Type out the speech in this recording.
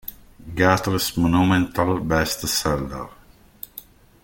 Guthrie's monumental best-seller!".